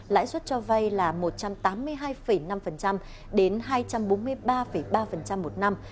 lãi suất cho vay là một trăm tám mươi hai năm đến hai trăm bốn mươi ba ba một năm